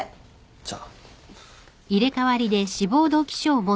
じゃあ。